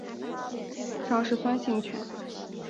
基本上是酸性泉。